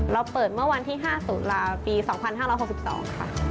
เราเปิดเมื่อวันที่๕ตุลาปี๒๕๖๒ค่ะ